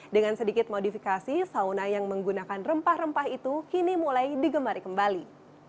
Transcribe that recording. dengan sedikit modifikasi sauna yang menggunakan rempah rempah itu kini mulai digemari kembali